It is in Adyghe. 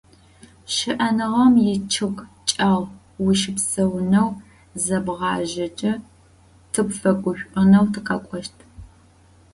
Щыӏэныгъэм ичъыг чӏэгъ ущыпсэунэу зебгъажьэкӏэ тыпфэгушӏонэу тыкъэкӏощт.